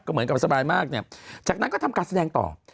เหมือนกับสบายมากเนี่ยจากนั้นก็ทำการแสดงต่อ